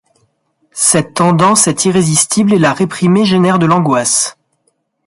Cette tendance est irrésistible et la réprimer génère de l'angoisse.